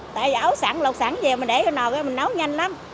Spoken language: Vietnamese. tại vì ấu sẵn luộc sẵn về mình để nồi mình nấu nhanh lắm